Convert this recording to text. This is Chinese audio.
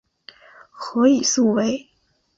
何以速为。